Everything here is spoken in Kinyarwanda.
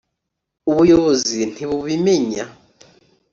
ubuyobozi ntibubimenya